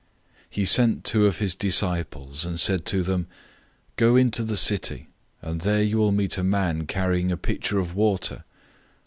014:013 He sent two of his disciples, and said to them, "Go into the city, and there you will meet a man carrying a pitcher of water.